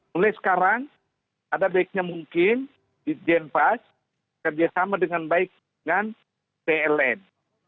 mulai sekarang ada baiknya mungkin di jenpas kerjasama dengan baik dengan pln